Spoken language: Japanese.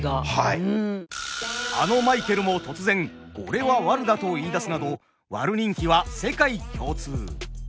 あのマイケルも突然「俺はワル」だと言いだすなどワル人気は世界共通。